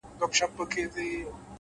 فکرونه راتلونکی جوړوي،